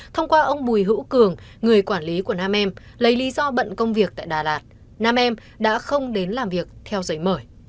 thông qua ông bùi hữu cường người quản lý của nam em lấy lý do bận công việc tại đà lạt nam em đã không đến làm việc theo giấy mời